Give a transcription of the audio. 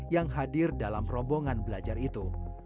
yang hadir dalam rombongan belajar itu